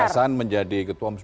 pan menjadi ketua umum